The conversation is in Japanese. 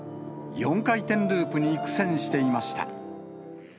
４回転ループに苦戦していました。